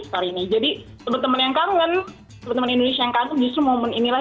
jadi temen temen yang kangen temen temen indonesia yang kangen justru momen inilah